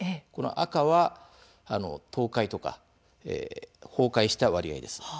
赤は、倒壊とか崩壊した割合です。